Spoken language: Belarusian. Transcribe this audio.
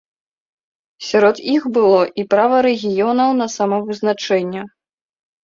Сярод іх было і права рэгіёнаў на самавызначэнне.